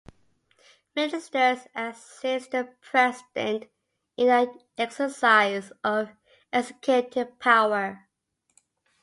Ministers assist the President in the exercise of executive power.